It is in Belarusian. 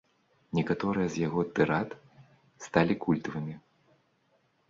Некаторыя з яго тырад сталі культавымі.